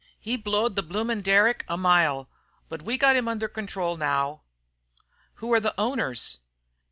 He blowed the bloomin' derrick a mile, but we got him under control now." "Who are the owners?"